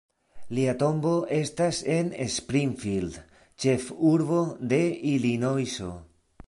Lia tombo estas en Springfield, ĉefurbo de Ilinojso.